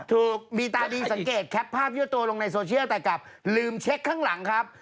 ถูกมีตาดีสังเกตแคปภาพยั่วตัวลงในโซเชียลแต่กลับลืมเช็คข้างหลังครับ